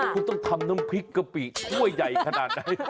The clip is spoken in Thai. คุณต้องทำน้ำพริกกะปิถ้วยใหญ่ขนาดไหน